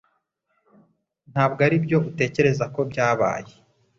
Ntabwo aribyo utekereza ko byabaye